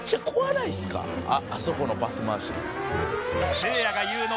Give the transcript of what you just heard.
あそこのパス回し。